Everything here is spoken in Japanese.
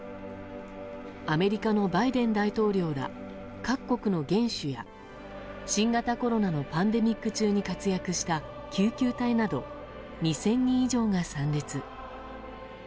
アメリカのバイデン大統領ら各国の元首や新型コロナのパンデミック中に活躍した救急隊など２０００人以上が参列。